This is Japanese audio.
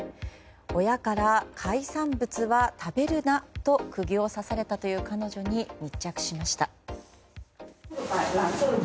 親から海産物は食べるなと釘を刺されたという彼女に密着しました。